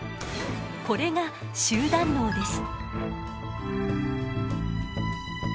これが集団脳です。